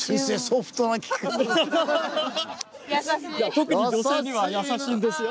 特に女性には優しいんですよ。